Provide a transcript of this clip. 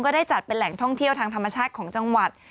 ได้จัดเป็นแหล่งท่องเที่ยวทางธรรมชาติของจังหวัด